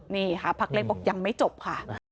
นี่ค่ะพักเล็กบอกยังไม่จบค่ะ